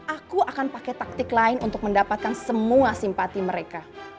aku akan pakai taktik lain untuk mendapatkan semua simpati mereka